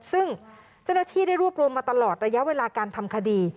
ซึ่งเจ้าหน้าที่ได้รวบรวมมาตลอดระยะเวลาการทำคดี